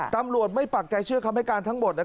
ตำรวจไม่ปักใจเชื่อคำให้การทั้งหมด